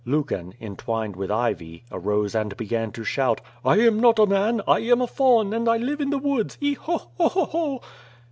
Lucan, entwined with ivy, arose and began to slioiit: "I am not a man: 1 am a faun, and I live in the woods. E, ho, o, o o, o.'